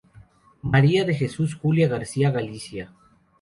María de Jesús Julia García Galicia.